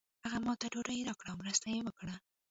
هغه ماته ډوډۍ راکړه او مرسته یې وکړه.